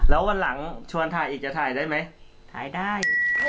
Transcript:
แล้ววันหลังชวนถ่ายอีกจะถ่ายได้ไหมถ่ายได้